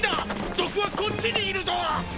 賊はこっちにいるぞ！